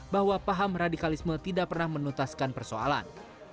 bahwa paham radikalisme tidak pernah menutaskan persoalan